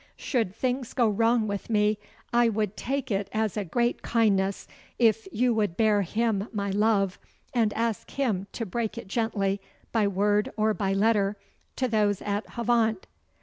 'Should things go wrong with me, I would take it as a great kindness if you would bear him my love, and ask him to break it gently, by word or by letter, to those at Havant.